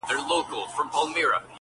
o بجل نه وه، بجل ئې راوړه.